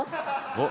おっ？